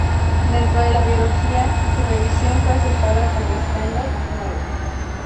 Dentro de la biología su revisión fue aceptada como estándar nuevo.